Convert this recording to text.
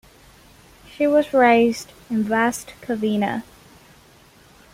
She was raised in West Covina.